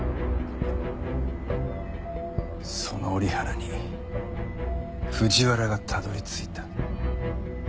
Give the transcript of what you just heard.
その折原に藤原がたどり着いた。